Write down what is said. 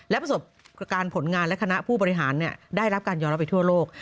และประสบการณ์ผลงานและคณะผู้บริหารได้รับการยอมรับไปทั่วโลก